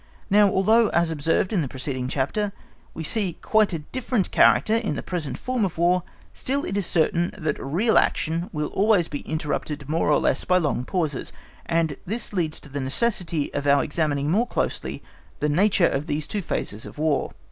Now, although, as observed in the preceding chapter we see quite a different character in the present form of War, still it is certain that real action will always be interrupted more or less by long pauses; and this leads to the necessity of our examining more closely the nature of these two phases of War.